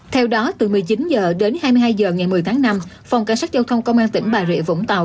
theo đó từ một mươi chín h đến hai mươi hai h ngày một mươi tháng năm phòng cảnh sát giao thông công an tỉnh bà rịa vũng tàu